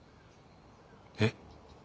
えっ？